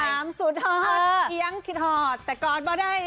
คำถามสุดฮอดเอี๊ยงคิดฮอดแต่กอดว่าได้